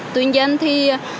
tuy nhiên thì